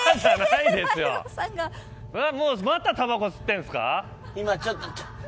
また、たばこ吸ってんですか？